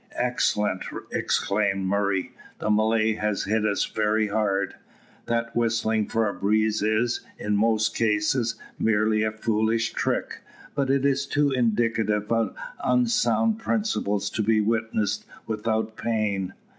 "Excellent," exclaimed Murray. "The Malay has hit us very hard. That whistling for a breeze is, in most cases, merely a foolish trick, but it is too indicative of unsound principles to be witnessed without pain.